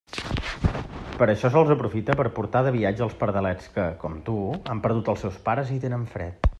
Per això sols aprofite per a portar de viatge els pardalets que, com tu, han perdut els seus pares i tenen fred.